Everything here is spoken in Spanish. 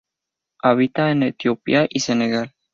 Habita en Etiopía y Senegal.